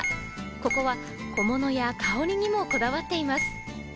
ここは小物や香りにもこだわっています。